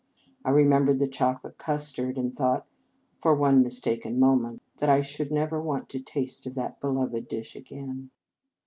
I remembered the chocolate custard, and thought for one mistaken moment that I should never want to taste of that be loved dish again.